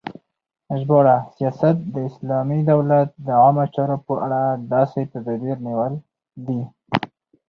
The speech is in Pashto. ژباړه : سیاست د اسلامی دولت د عامه چارو په اړه داسی تدبیر نیول دی